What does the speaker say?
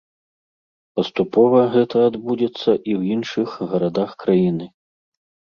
Паступова гэта адбудзецца і ў іншых гарадах краіны.